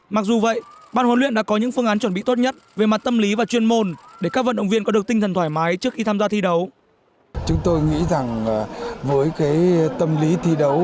mặc dù vậy ban huấn luyện đã có những phương án chuẩn bị tốt nhất về mặt tâm lý và chuyên môn để các vận động viên có được tinh thần thoải mái trước khi tham gia thi đấu